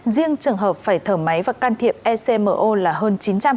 riêng trường hợp phải thở máy và can thiệp ecmo là hơn chín trăm linh